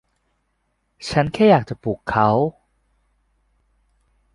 ฉันแค่อยากจะปลุกเขา